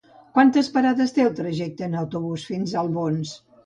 Quantes parades té el trajecte en autobús fins a Albons?